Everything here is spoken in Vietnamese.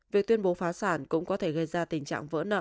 việc tuyên bố phá sản cũng có thể gây ra tình trạng vỡ nợ